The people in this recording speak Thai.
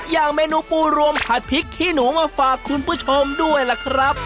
อย่างเมนูปูรวมผัดพริกขี้หนูมาฝากคุณผู้ชมด้วยล่ะครับ